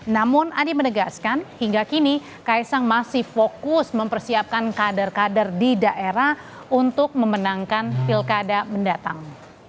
namun andi menegaskan hingga kini kaisang masih fokus mempersiapkan kader kader di daerah untuk memenangkan pilkada mendatang